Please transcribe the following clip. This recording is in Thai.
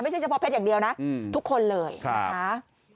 เฉพาะเพชรอย่างเดียวนะทุกคนเลยนะคะ